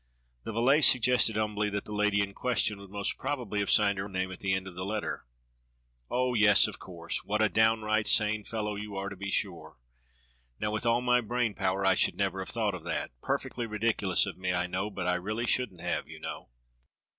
" The valet suggested humbly that the lady in question would most probably have signed her name at the end of the letter. "Oh, yes, of course, what a downright sane fellow you are, to be sure. Now with all my brain power I should never have thought of that. Perfectly ridicu lous of me, I know, but I really shouldn't have, you know.